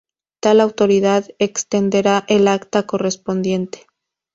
Tal autoridad extenderá el acta correspondiente.